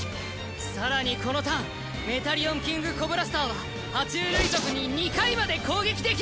更にこのターンメタリオン・キングコブラスターはは虫類族に２回まで攻撃できる。